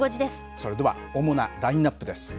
それでは主なラインナップです。